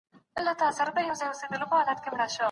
ما به په تا باندي شکونه کول